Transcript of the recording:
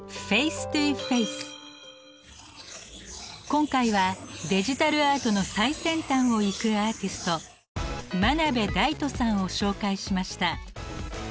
今回はデジタルアートの最先端を行くアーティスト真鍋大度さんを紹介しました。